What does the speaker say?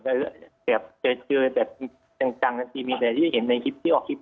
ได้แบบแบบจังจังจริงแต่ที่เห็นในทริปที่ออกทริป